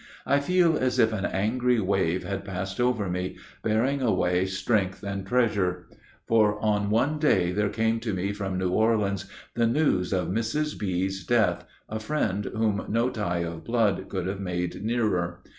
I feel as if an angry wave had passed over me, bearing away strength and treasure. For on one day there came to me from New Orleans the news of Mrs. B.'s death, a friend whom no tie of blood could have made nearer.